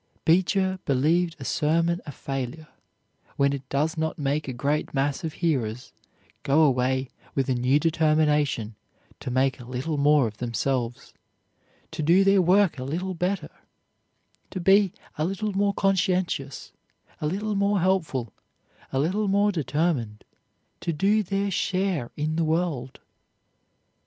Beecher believed a sermon a failure when it does not make a great mass of hearers go away with a new determination to make a little more of themselves, to do their work a little better, to be a little more conscientious, a little more helpful, a little more determined to do their share in the world.